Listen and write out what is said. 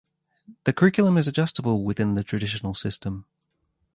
The curriculum is adjustable within the traditional system.